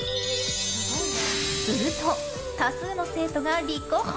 すると、多数の生徒が立候補。